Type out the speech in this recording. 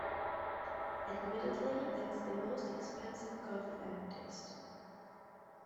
Admittedly, that is the most expensive coffee I’ve tasted.